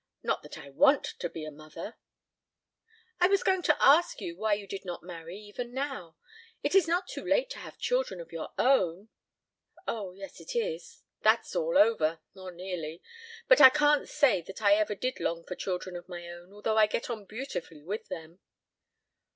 Not that I want to be a mother " "I was going to ask you why you did not marry even now. It is not too late to have children of your own " "Oh, yes, it is. That's all over or nearly. But I can't say that I ever did long for children of my own, although I get on beautifully with them."